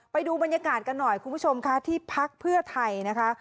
ไปดูบรรยากาศกันหน่อยคุณผู้ชมค่ะที่พักเพื่อไทยนะคะ